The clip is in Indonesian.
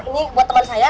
ini buat temen saya